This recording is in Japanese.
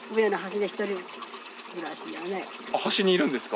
端にいるんですか。